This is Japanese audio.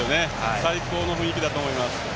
最高の雰囲気だと思います。